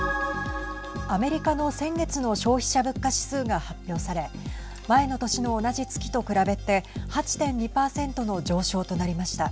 アメリカの先月の消費者物価指数が発表され前の年の同じ月と比べて８．２％の上昇となりました。